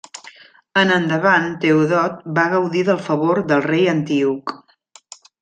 En endavant Teodot va gaudir del favor del rei Antíoc.